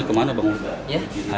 honeymoonnya kemana pak